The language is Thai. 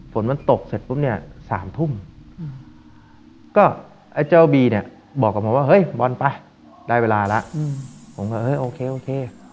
ฝนมันตกเสร็จปุ๊บเนี่ย๓ทุ่มก็ไอ้เจ้าบีเนี่ยบอกกับผมว่าเฮ้ยบอลไปได้เวลาแล้วผมก็เฮ้ยโอเคโอเค